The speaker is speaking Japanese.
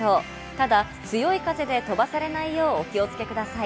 ただ強い風で飛ばされないよう気をつけください。